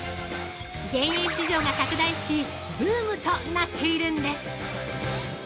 減塩市場が拡大しブームとなっているんです。